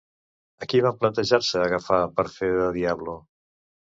A qui van plantejar-se agafar per fer de Diablo?